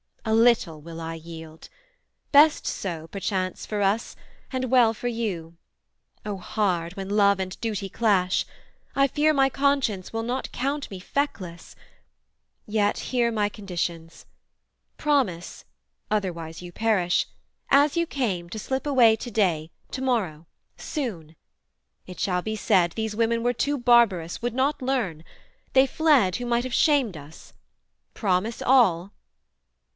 a little will I yield. Best so, perchance, for us, and well for you. O hard, when love and duty clash! I fear My conscience will not count me fleckless; yet Hear my conditions: promise (otherwise You perish) as you came, to slip away Today, tomorrow, soon: it shall be said, These women were too barbarous, would not learn; They fled, who might have shamed us: promise, all.'